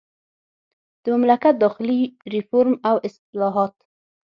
د مملکت داخلي ریفورم او اصلاحات وو.